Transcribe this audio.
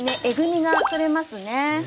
えぐみが取れますね。